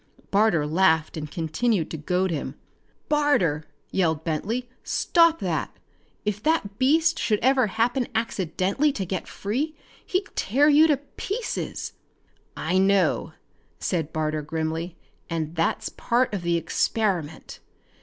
Barter laughed and continued to goad him. "Barter," yelled Bentley, "stop that! If that beast should ever happen accidentally to get free he'd tear you to pieces!" "I know," said Barter grimly, "and that's part of the experiment!